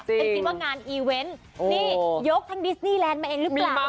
ฉันคิดว่างานอีเวนต์นี่ยกทั้งดิสนี่แลนดมาเองหรือเปล่า